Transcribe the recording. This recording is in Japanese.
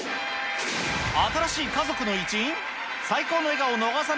新しい家族の一員？